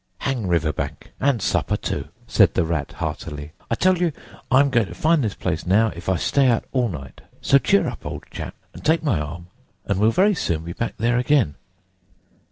"Hang River Bank, and supper too!" said the Rat heartily. "I tell you, I'm going to find this place now, if I stay out all night. So cheer up, old chap, and take my arm, and we'll very soon be back there again."